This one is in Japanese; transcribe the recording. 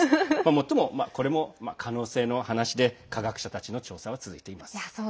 もっとも、これも可能性の話で科学者たちの調査は続いています。